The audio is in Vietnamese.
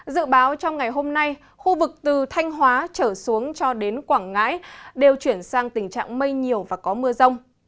dự báo trong ngày hôm nay khu vực từ thanh hóa trở xuống cho đến quảng ngãi đều chuyển sang tình trạng mây nhiều và có mưa rông